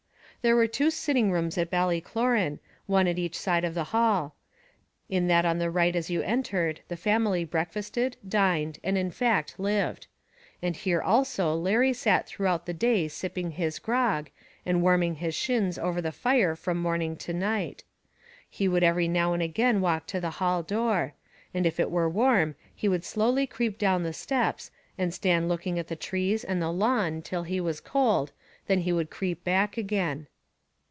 There were two sitting rooms at Ballycloran, one at each side of the hall; in that on the right as you entered the family breakfasted, dined, and in fact lived; and here also Larry sat throughout the day sipping his grog, and warming his shins over the fire from morning to night. He would every now and again walk to the hall door; and if it were warm, he would slowly creep down the steps, and stand looking at the trees and the lawn till he was cold, when he would creep back again.